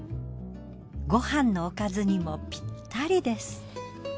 ご飯のおかずにもぴったりです。